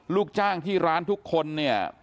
ลูกจ้างที่ร้านทุกคนเนี่ย